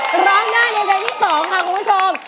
บอกว่าร้องได้ผมก็จะร้องให้เหมือนกัน